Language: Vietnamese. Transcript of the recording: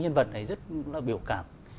hai nhân vật này rất là biểu cảm